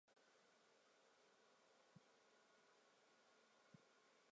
因为是我才能达成